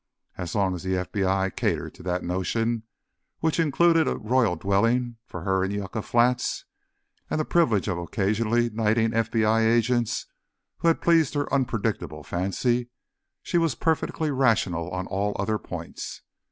As long as the FBI catered to that notion—which included a Royal dwelling for her in Yucca Flats, and the privilege of occasionally knighting FBI agents who had pleased her unpredictable fancy—she was perfectly rational on all other points.